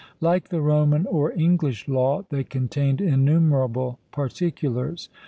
Like the Roman or English law, they contained innumerable particulars.